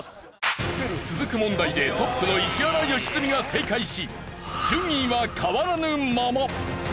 続く問題でトップの石原良純が正解し順位は変わらぬまま。